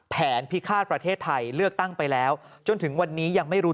พิฆาตประเทศไทยเลือกตั้งไปแล้วจนถึงวันนี้ยังไม่รู้